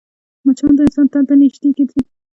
مچان د انسان تن ته نږدې ګرځي